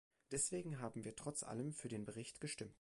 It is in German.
Deswegen haben wir trotz allem für den Bericht gestimmt.